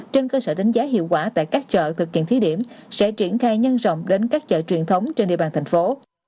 trên cơ sở đánh giá hiệu quả tại các chợ thực hiện thí điểm sẽ triển khai nhân rộng đến các chợ truyền thống trên địa bàn thành phố